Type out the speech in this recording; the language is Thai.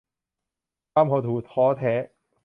ความหดหู่ท้อแท้